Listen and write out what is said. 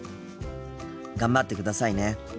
頑張ってくださいね。